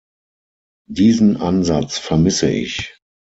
Diesen Ansatz vermisse ich.